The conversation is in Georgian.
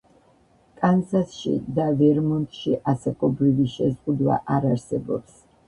კანზასში და ვერმონტში ასაკობრივი შეზღუდვა არ არსებობს.